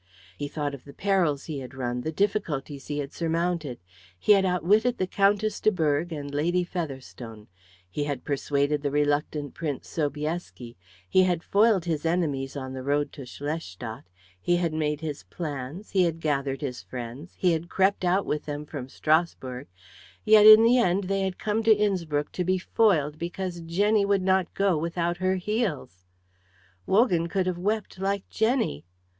He thought of the perils he had run, the difficulties he had surmounted. He had outwitted the Countess de Berg and Lady Featherstone, he had persuaded the reluctant Prince Sobieski, he had foiled his enemies on the road to Schlestadt, he had made his plans, he had gathered his friends, he had crept out with them from Strasbourg, yet in the end they had come to Innspruck to be foiled because Jenny would not go without her heels. Wogan could have wept like Jenny.